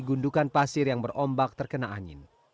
gundukan pasir yang berombak terkena angin